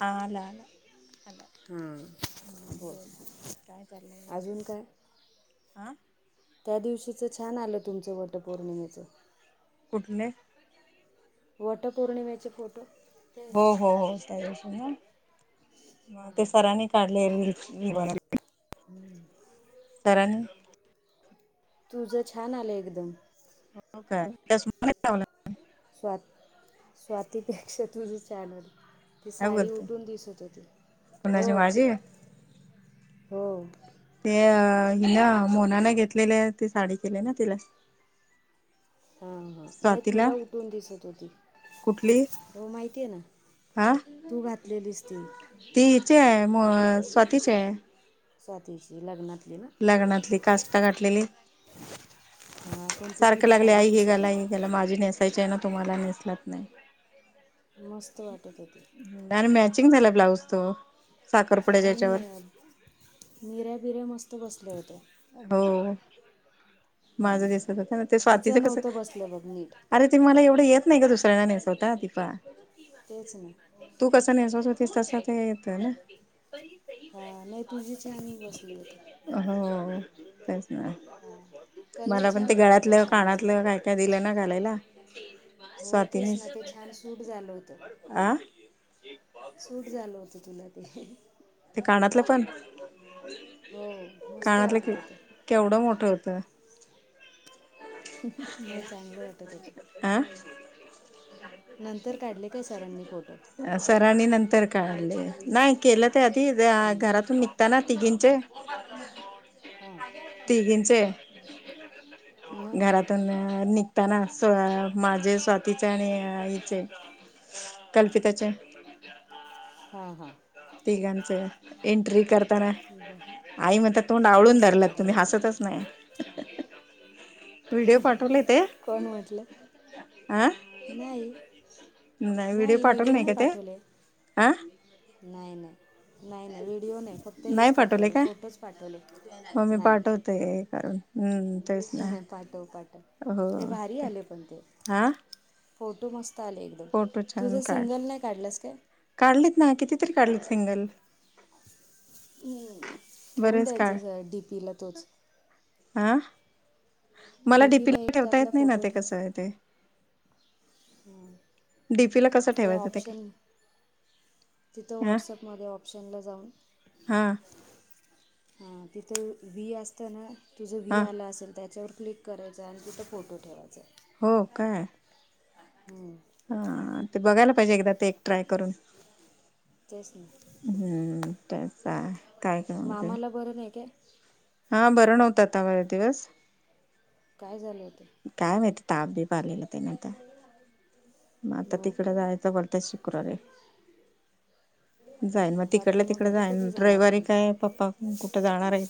हालाला हा बोल काय चाललंय बाकी अजून काय हा त्या दिवशीचं छान आलं तुमचं वटपौर्णिमेच कुठले वटपौर्णिमेचे फोटो हो हो हो त्या ना मग ते सरांनी काढले ब हम्म सरण तुझ छान आलं एकदम हो काय त्यास ला स्वात स्वातीपेक्षा तुझी चॅनल ती काय साडी बोलते उठून दिसत होती हो कुणाची माझी हो हि ना मोना न घेतलेली ती साडी केली ना तिला हा हा नाही स्वातीला तुला उठून दिसत होती कुठली हो माहितीये ना हा तू घातलेलीस ती ज म स्वातचे आहे साथीची लग्नत लग्नातली काष्टा गाठलेली हां पण ती सारख तुला लागले भारी आई हे दिसत गाला होती हे गाला माझी नेसायची आहे ना तुम्हाला नेसलाच नाही मस्त वाटत होती आणि मॅचिंग झाला ब्लाउज तो साखरपुड्याच्या याच्यावर आणि मिऱ्या बिऱ्या मस्त बसल्या हो हो माझं दिसच हो ना ते स्वातीचं तिचं कस नव्हतं बसलं बघ नीट अरे ते मला एवढं येत नाही का दुसऱ्यांना नेसवता दिीफा तेच ना तू कस नाहीसचवतेस तस तर येत ना हा नाही तुझी छान बसली होती अच् ह हां कलर मला पण छान ते आहे त्या गळ्यातलं साडीचा कानातलं काय काय दिलं ना घालायला हो तेच स्वातीनेच ना ते छान सूट झालं होत आ सूट झालं होत तुला ते ते कानातलं पण हो मस्त कानातलं वाटत होतं केवढं मोठं होतं नाही चांगले वाटत होते फोटो सरणी नंतर काले नाही केलं ते आधी हं, घरातून निघता ना तिघींचे हां घ मग घरातून निघताना माझे स्वातीचे आणि आईचे कल्पताच्या हा हा तिघांचं एंट्री कर ताना बरं आई म्हणत्या तोंड आवळून मस्त धरलात काढले तुम्ही होते हसतच नाही व्हिडिओ पाठवले ते कोण म्हटलं, अ नाही नाही व्हिडिओ पाठवल नाही काय ते आं नाही नाही नाही नाही व्हिडिओ नाही फक्त हेच पाठवले फोटोच मग पाठवलेत मी नाही पाठवते कारण हम्म तेच ना पाठव, पाठव नाही हो भारी ते आले पण ते हा फोटो मस्त आले एकदम फोटो छान तुझं काढ सिंगल नाही काढलास काय? काढलेत ना कितीतरी काढलेत सिंगल. हम् ठेवून बरेच काढ द्यायचंस डी पी ला तोच. हा मला डी पी पीला ला एक ठेवता त्यातला येत नाही ना फोटो ते ठेव कसं अ ते हां डीपीला कसं ठेवायचं ते का तिथं व्हॉटसअप मध्ये ऑप्शनला जाऊन हा हा तिथं वी असतय ना तुझं वी हा आलं असेल त्याच्यावर क्लिक करायचं हाय आणि तिथं फोटो ठेवायचाय. हो काय. हम्म हा ते बघायला पाहिजे एकदा ते एक ट्राय करून तेच ना [unintelligible] काय मामाला बरं नाही काय? हा बरं नव्हत आता बरेच दिवस काय झालं होत? काय माहिती ताप बी प आलेला त्याना आता म आता हो तिकडं काय जायचं बोलतायत शुक्रवारी. जाईन. मग बापरे तिकडल्या तिकड घरी जाईन कधी जाणार रैवारी तुम्ही काय पप्पा पण कुठं जाणार आ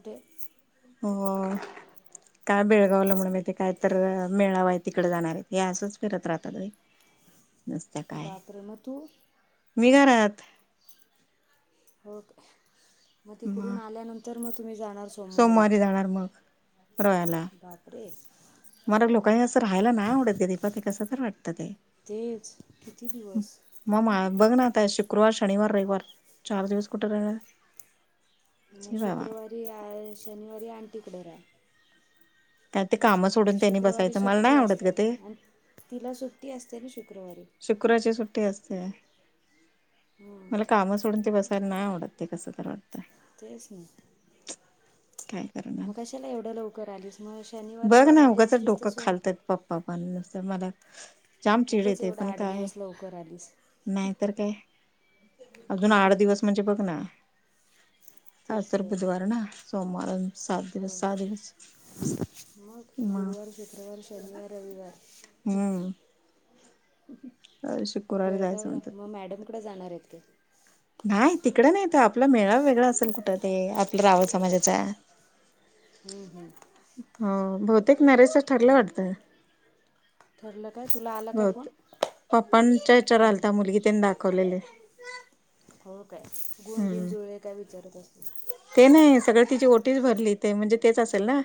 तेच हो [inaudible] काय बेळगावला म्हणून म्हणे काय तर मेळावा हाय तिकड जाणार आहेत हे असंच फिरत राहतात बाई [unintelligible] नुसत काय. बापरे मग तू मी घरात ओके, म मग तिकडून आल्यानंतर मग तुम्ही जाणार सोमवारी. जाणार मग बापरे मला लोका ए असं राहायला नाही आवडत ग दीपा ते कसं तर वाटतं ते तेच किती दिवस म मा बघ ना आता शुक क्रवार, शनिवार, रविवार, चार दिवस कुठं या म शुक्रवारी आए, शनिवारी आंटी कडं रा त्या ते कामं सोडून त्यांनी शुक्रवारी बसायचं मला नाही सुट्टी आवडत ग ते असणार, तिला सुट्टी असते न शु शुक्रवार ची सुट्टी असते. हं, मला काम सोडून ते बसायला नाही आव डत ते कसं तर वाटतंय. तेच न काय करणार म कशाला एवढं लवकर आलीस? म श बघ ना उगचंच डोकं खालतात पप्पा पण, नुसतं मला जाम चिड उगाच येते. एवढा पण आठ काय, दिवस लवकर आलीस नाहीतर काय? अजून आट दिवस म्हणजे बघ ना? आज तर बुधवार ना? सोमवार सात दिवस, हो सा दिवस मग म गुरुवार, शुक्रवार, शनिवार, रविवार. हम्म शुक्रवारी जायचं बेळगावला म्हणतात. म मॅडमकडं जाणार आहेत काय? नाही तिकडं नाही त आपला मेळा वेगळा असल, कुठं ते आपलं [unintelligible] समाजाचा. हम्म हम्म. हो. बहुतेक नरेशच ठरलं वाटतं? ठरलं. काय तुला आला काय फोन बहुतेक, पप्पांच्या विचार हं, हं. आलता मुलगी त्यांनी दाखवलेली. होय काय? गुणबिन जुळे काय विचारत अस ते नाही सगळ तिची ओटीस भरली ते म्हणजे, तेच असेल ना?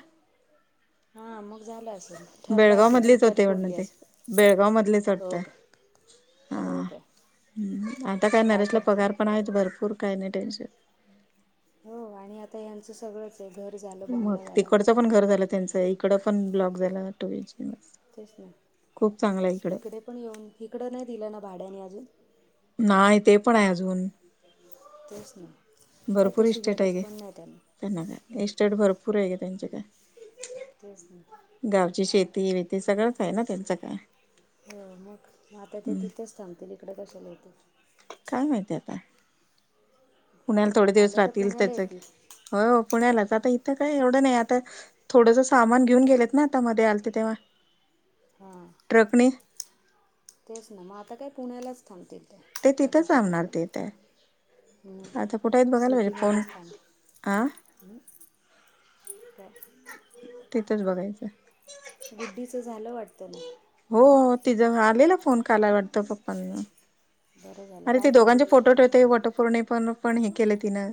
हा मग झालं असेल, ठरलं बेळगाव असेल, मधलीच सुपारी होते वाटतं फोडली ते. असल. बेळगाव मधलेच हो वाटतं का? होय हा. काय? हम्म. आता काय नरेशला पगार पण आहेत, भरपूर काही नाही टेन्शन. हो आणि आता यांचं सगळं मग तिकडचं पण घर झालं त्यांच इकड पण ब्लॉक झाला, टू एज तेच ना इकडं हिकडे पण येऊन, हिकडं नाही दिलं ना भाड्याने अजून? नाय ते पण हाय अजून तेच ना काय भरपूर तशी इस्टेट हाय गरज घे. पण नाही त्यांना काय इस्टेट भरप पुरे हाय घे त्यांचं काय तेच ना. ची शेती वेती सगळंच हाय ना, त्यांचं काय. हो मग म आता ते हम्म तिथंच थांबतील इकडे कशाला येतील. काय माहिती आता पुण्याला थोडे दिवस आल्या तर राहतील, पुण्याला त्याच एक येतील हो. पुण्यालाच आता इथं काय एवढं नाही आता थोडंस सामान घेऊन गेलेत ना, आता मध्ये आलते तेव्हा. हां ट्रकणे. तेच ना, म आता काय पुण्याल्याच थांबतील. त्या ते त्या तिथं कशाला थांबणार इकडं तेथे थांब आता कुठाय हाईत बघायला पाहिजे, सिटीमध्येच थांब फोन आ काय तिथंच बघायचंय. गुड्डीचं झालं वाटतं ना? हो, तिज आलेला फोन काला वाटतं पप्पांना. बरं झालं अरे ती काय बोलली दोघांचे फोटो ठेवते, वटपौर्णिम पण पण हे केलं तिनं.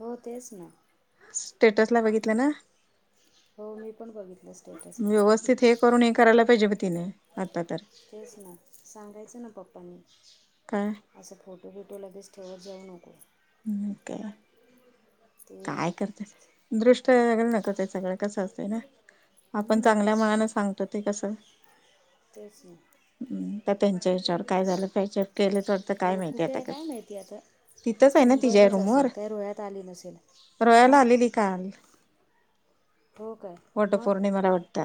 हो तेच ना. स्टेटस ला बघितलं ना? हो, मी पण बघितलं स्टेटसला. व्यवस्थित हे करून हे करायला पाहिजे ब तिने आता तर. तेच ना सांगायचं ना पप्पानी, काय असं फोटो बीटो लगेच ठेवत जाऊ नको हम्म [unintelligible] ते काय करतेत, दृष्ट लगल नाक ते सगळं कसं अस आपण चांगल्या मनान सांगतो, ते कसं ते की हम्म तर त्यांच्या हेच्यावर काय झालं पॅचप केलीत वाटतं, काय हो माहिती कुठे आता आहे काय कसं? माहिती आता तिथंच हाय ना तिज्या मुंबईलाच रूम असेल वर? काय रोह्यात आली नसेल [unintelligible] हां आलेली काल. हो काय मग वटपौर्णिमाला वाटत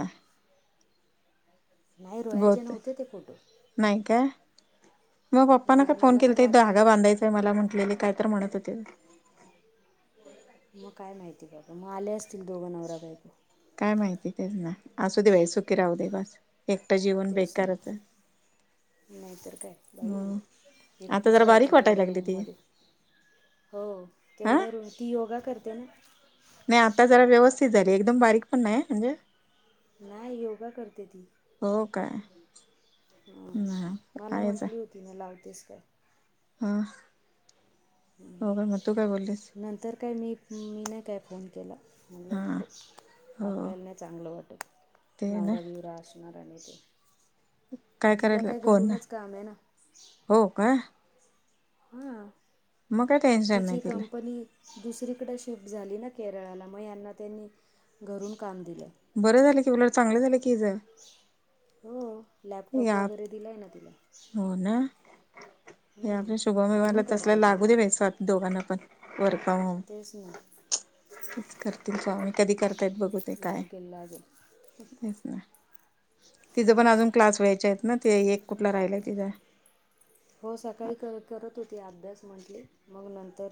नाही रोयाचे बहुतेक नव्हते ते फोटो नाही काय? मग पप्पाना नाही काय फोन मला केला तर त वाटले धागा बांधायचाय मला म्हटलेले काय तर म्हणत होते तर मग आले असतील दोघं नवरा बायको काय माहिती तेच ना असू दे वय सुखी राहू दे बस एकटं जीवन तेच ना बेकारच आहे नाहीतर काय मग बाई आता एकटीच जरा राहायची बारीक वाटायला तेवढ्या लागली रूम ती मध्ये हो हा तेवढं रु ती योगा करते ना नाही आता जरा व्यवस्थित एकदम बारीक पण नाही म्हणजे नाही योगा करते ती हो काय हम ना मला आहेच म्हंटली होती ना लावतेस का हा हो का म काय बोलोल नंतर काय मी मी नाही काय फोन केला म्हणलं हा नको हो आपल्याला नाही चांगलं वाटत ते ना नवरा बिवरा असणार आणि ते काय तिला करायला फोन घरूनच काम आहे ना हो का हा मग काय टेनशन नाही तिला दुसरीकडे शिफ्ट झाली ना केरळाला मग यांना त्यांनी घरून काम दिलं बरं झाले की ब चांगले झाले क हो लॅपटॉप या वगैरे दिलाय ना तिला हो ना हे हं, आपल्या शुभम व्यवहारला घरून तसल्या करते ती लागू देवायच दोघांना पण वर्क फ्रॉम होम तेच नाही तेच करतील का आणि कधी करतायेत बघू ते काय लागेल लागेल तेच ना तिचं मग पण काय. अजून क्लास व्हायचे ना ते एक कुठला राहिलाय तिथ हो सकाळी करत होती अभ्यास म्हटले मग नंतर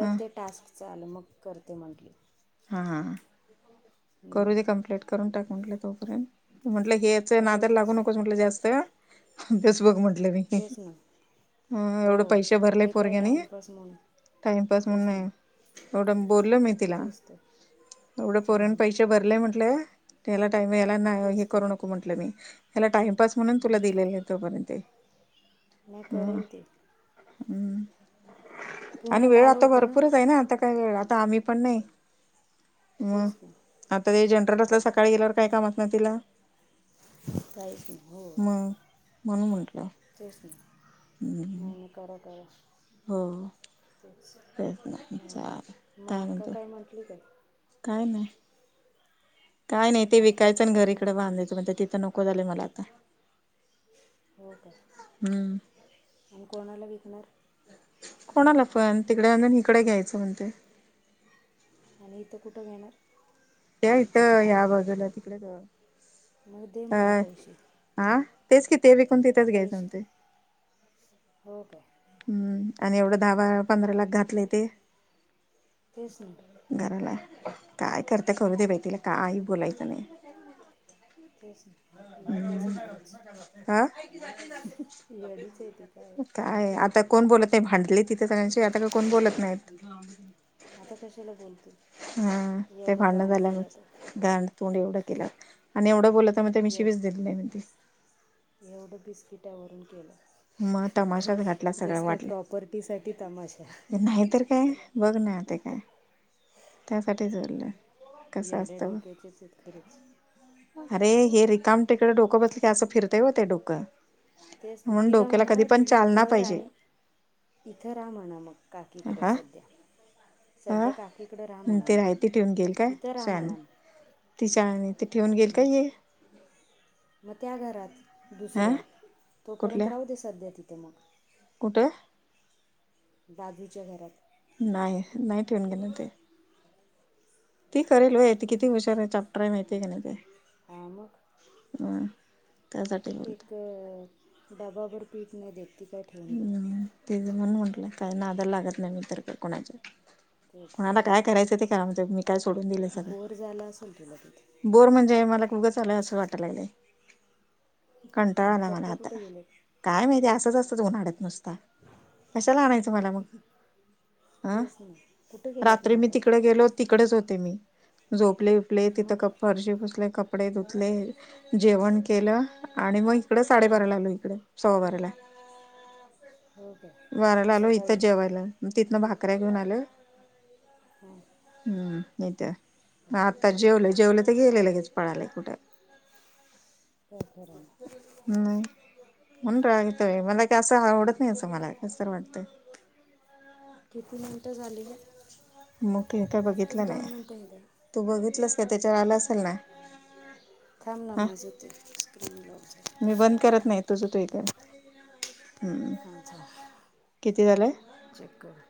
हां ते टास्क चाल मग करते म्हटले हा हा करू हम्म. दे कम्प्लीट करून टाक म्हटले तोपर्यंत म्हटलं हे याच हो नादला लागू तेच ना नकोस म्हटलं जास्त अभ्यास बघ म्हंटलं मी तेच ना हा हो एवढं पैसे भरले हे काय पोरग्यानी टाईमपास म्हणून टाइमपास म्हण तेच नाही ना एवढं बोलल मी तिला तेच तर एवढं हां पोरान हां पैसे भरले म्हंटले त्याला टाईम यायला हे तेच तर करू नको म्हंटलं मी ह्याला टाइमपस म्हणून तुला दिलेला तोपर्यंत नाय हम्म करेल ती हम्म आणि पुण्यात वेळ आलं आता होतं भरपूरच आहे ना आता काही वेळ आम्ही पण नाही तेच ना तर ते जनरट [inaudible] असलं सकाळी गेल्यावर काय काम असणार तिला तहीच नाही हो मग म्हणून म्हटलं तेच नाही [inaudible] [unintelligible] हम्म नाही नाही करा करा हो तेच हां तेच [inaudible] मग काय अक्का म्हत म्हटली काय काय नाही काय नाही ते विकायचं आत्याचा आणि काय घरी फोन इकडं बांधायचं म्हणजे तिथं नको झालंय मला आता हो का हम्म आणि कोणाला विकणार कोणाला पण तिकडे आ [inaudible] इकडे घ्यायचं म्हणतोय आणि इथं कुठं घेणार ते इथ या बाजूला तिकडेच मग दे म्हणावं पैसे हा तेच कि ते विकून तिथंच घ्यायचं म्हणते पैसे हो काय हम्म आणि एवढं दहा बार पंधरा लाख घातलेय ते तेच नाही घराला काय करत्या करू दे बाई तिला काही बोलायचं नाही ह [unintelligible] तेच येडीच आहे हम्म खरंच हा येडीच आहे ती काय काय आता कोण बोलत नाही भांडली तिथे कूणाशी आता काय कोण बोलत नाहीत आता कशाला बोलतो हा ते भांडण झालं म तर गांड तोंड एवढं केला आणि एवढं बोलला तर मग मी एव शिवीच देत नाही म्हणे एवढं बिस्किटावरून केलं मग तमाशाच घातला सगळं जसं काय प्रॉपर्टीसाठी तमाशा वाटलं नाहीतर काय बघ ना नाही तर काय त्यासाठीच चाललंय कस येड्या असत बघ. डोक्याचेच आहेत खरंच अरे हे रे काम तिकडे डोकं बसल की असं फिरतय व्हय ते डोकं तेच की म्हणून तिला डोक्याला कधी म्हणाव ते पण विक चालना घर पाहिजे आणि इथं रहा म्हणाव मग काकीकडं हा सध्या हा सध्या काकीकडं रहा म्हणाव ते मग रायती ठेवून गेल काय इथं रहा शान म्हणा मग ती सांगून ती ठेवून घेईल का मग ही मग त्या घरात दुसऱ्या तोपर्यंत कुठल्या राहू दे सध्या तिथं मग कुठं बाजूच्या घरात नाही नाही ठेऊन घेणार इथं ती करेल व्हय ती किती हुशार चाप्टर हाय माहिती हाय कणी ती हां मग ह त्यासाठी बोलते डबा भर पीठ नाही देत ती काय ठेवून दे हम्म ते बघून मी म्हटलं काय नादाला लागत नाही मी तर त्या कुणाच्या कोणाला तेच काय करायचं ते करा म्हणत्यात मग काय सोडून दिलंय सगळं बोर झाला असेल तुला तिथे बोर म्हणजे मला उगंच आलोय असं वाटाय लागलंय कंटाळा आणि आलाय मला पप्पा आता कुठे गेलेत काय माहिती असंच असतं उन्हाळ्यात नुसत तर कशाला आणायचं मला मग हं तेच ना कुठे गेलेत मग रात्री मी आता तिकडे गेलो तिकडेच हो ते मी झोपले उठले तिथं मग गप्प फरशी फुसले गप्प कपडे धुतले जेवण केलं आणि मग इकड हां साडेबाराला आलो इकडं सव्वा बाराला हो काय बाराला आलो इथं सकाळी जेवायला मग तिथनं भाकऱ्या घेऊन आलो हां हम्म होय काय म आत्ता जेवलो जेवले ते गेले लगेच पळालेत कुठं व्हय खरं ह ह नाही म्हणून राग येतोय मला ते असं आवडत नाही असं मला कसतर वाटतय किती मिनटं झाली ग मी आता काय बघितलं नाही मिनटं हे द्या तू बघितलंस ते त्याच्यावर आलं असेल ना थांब ना हा माझी ते स्क्रीन लावते मी बंद करत नाही तुझं तू हे कर हम्म हा किती झालंय थांब चेक कर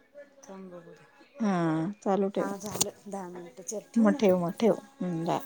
थांब बघू दे हा चालू ठेव हां झालं दहा मिनटं चल ठेवू मग ठेव मग ठेव हम् गा